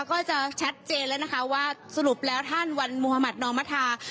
ก็จะชัดเจนแล้วนะคะว่าสรุปแล้วท่านวันมุธมัธนอมธา